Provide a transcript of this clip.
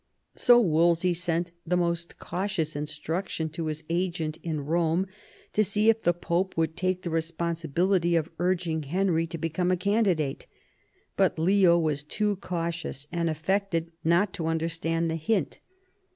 So Wolsey sent the most cautious instructions to his agent in Rome to see if the Pope would take the re sponsibility of urging Henry to become a candidate; but Leo was too cautious, and affected not to under stand the hint.